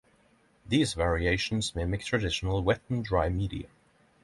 These variations mimic traditional wet and dry media.